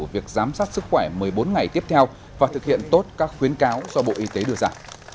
việc giám sát sức khỏe một mươi bốn ngày tiếp theo và thực hiện tốt các khuyến cáo do bộ y tế đưa ra